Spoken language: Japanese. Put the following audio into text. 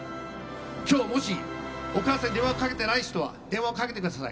今日、もしお母さんに電話をかけてない人は電話をかけてください。